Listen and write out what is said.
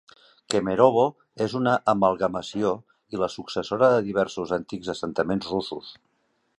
Kemerovo és una amalgamació i la successora de diversos antics assentaments russos.